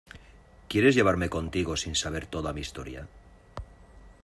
¿ quieres llevarme contigo sin saber toda mi historia?